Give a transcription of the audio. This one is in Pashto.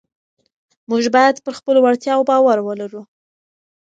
موږ باید پر خپلو وړتیاوو باور ولرو